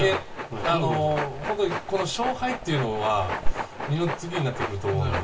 本当に勝敗というのは二の次になってくると思うので。